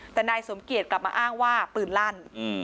แต่นายสมเกียจกลับมาอ้างว่าปืนลั่น